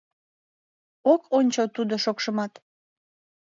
Ок ончо тудо шокшымат.